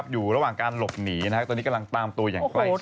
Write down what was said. อยู่ระหว่างการหลบหนีตอนนี้กำลังตามตัวอย่างใกล้ชิด